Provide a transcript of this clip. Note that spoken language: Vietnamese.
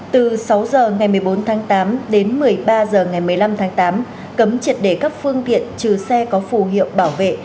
từ sáu h ngày một mươi bốn tháng tám đến một mươi ba h ngày một mươi năm tháng tám cấm triệt để các phương tiện trừ xe có phù hiệu bảo vệ